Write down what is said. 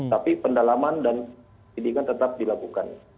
tapi pendalaman dan pendidikan tetap dilakukan